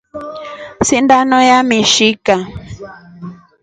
Sindono yamishka.